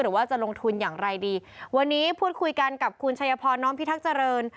หรือว่าจะลงทุนอย่างไรดีวันนี้พูดคุยกันกับคุณชัยพรน้อมพิทักษ์เจริญ